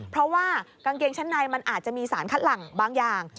เพราะว่ากางเกงชั้นในมันอาจจะมีสารคัดหลังบางอย่าง